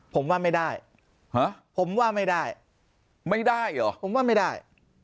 ผมว่าไม่ได้ผมว่าไม่ได้ไม่ได้เหรอผมว่าไม่ได้